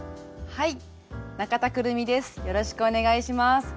はい。